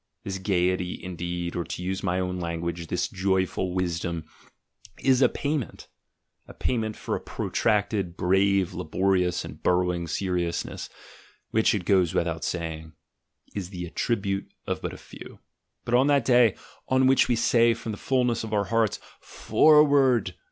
This gaiety, indeed, or, to use my own language, this joyful wisdom, is a payment; a payment for a protracted, brave, labor ious, and burrowing seriousness, which, it goes without ing. is the attribute of but a few. But on that day on which we say from the fullness of our hearts, "For ward!